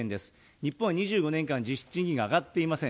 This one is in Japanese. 日本は２５年間、実質賃金が上がっていません。